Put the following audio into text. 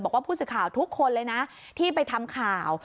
บอกว่าผู้สื่อข่าวทุกคนเลยนะที่ไปทำข่าว